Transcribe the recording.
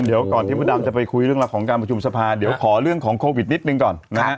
เดี๋ยวก่อนที่พระดำจะไปคุยเรื่องราวของการประชุมสภาเดี๋ยวขอเรื่องของโควิดนิดหนึ่งก่อนนะฮะ